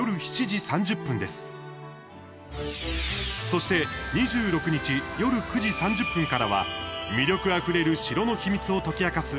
そして２６日夜９時３０分からは魅力あふれる城の秘密を解き明かす